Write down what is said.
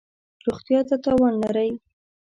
روغتیا ته تاوان لری